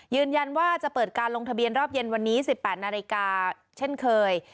ยืนยันว่าจะเปิดการลงทะเบียนรอบเย็นวันนี้๑๘นาฬิกาเช่นเคย